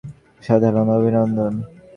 অসাধারণ, অভিনন্দন!